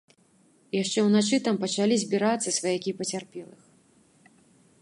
Яшчэ ўначы там пачалі збірацца сваякі пацярпелых.